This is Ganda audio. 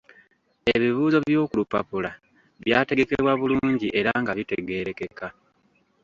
Ebibuuzo by’oku lupapula byategekebwa bulungi era nga bitegeerekeka.